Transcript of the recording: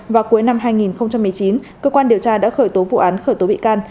vào cuối năm hai nghìn một mươi chín cơ quan điều tra đã khởi tố vụ án khởi tố bị can